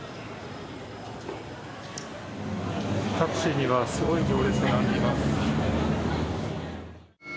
タクシーにはすごい行列があります。